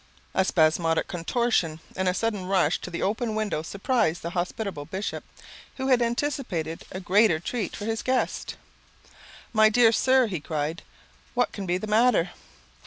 A spasmodic contortion and a sudden rush to the open window surprised the hospitable bishop, who had anticipated a great treat for his guest: "My dear sir," he cried, "what can be the matter!"